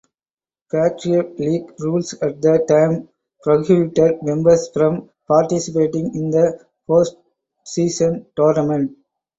Patriot League rules at the time prohibited members from participating in the postseason tournament.